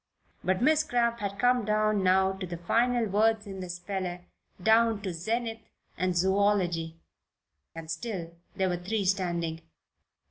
But Miss Cramp had come down now to the final words in the speller down to "zenith" and "zoology." And still there were three standing.